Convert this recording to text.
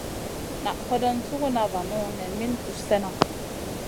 Naʼ hodon suguda vanu nen min guss slena.